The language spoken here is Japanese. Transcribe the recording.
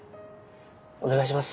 お願いします。